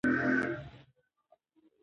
ایا د لونګ زوی به ریښتیا وایي؟